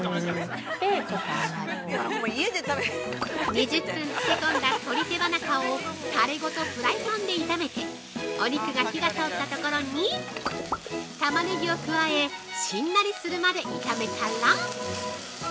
◆２０分漬け込んだ鶏手羽中をタレごとフライパンで炒めてお肉が火が通ったところにタマネギを加えしんなりするまで炒めたら◆